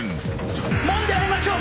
門で会いましょう。